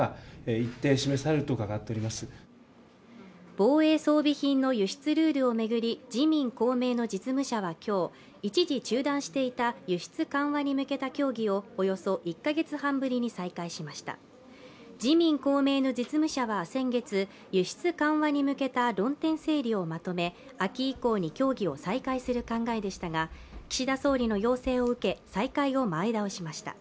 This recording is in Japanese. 防衛装備品の輸出ルールを巡り自民・公明の実務者は今日、一時、中断していた輸出緩和に向けた協議を、およそ１か月半ぶりに再開しました自民・公明の実務者は先月輸出緩和に向けた論点整理をまとめ、秋以降に協議を再開する考えでしたが、岸田総理の要請を受け、再開を前倒しました。